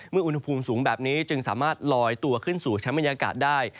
อุณหภูมิสูงแบบนี้จึงสามารถลอยตัวขึ้นสู่ชั้นบรรยากาศได้